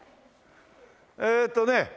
えーっとね